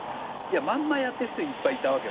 まんまやってる人いっぱいいたわけよ。